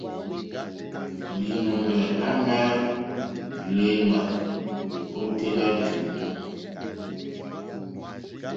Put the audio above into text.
Līnɔ̄ŋgɛ̄ à mà dráíhwá ôténá tùú.